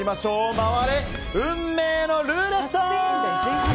回れ、運命のルーレット！